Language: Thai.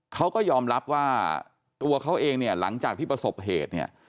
เขาก็ยอมรับว่าตัวเขาเองหลังจากที่ประสบเหตุ